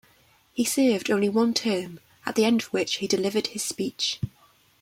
He served only one term, at the end of which he delivered his speech.